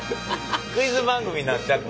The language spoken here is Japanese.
クイズ番組になっちゃった。